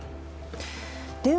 では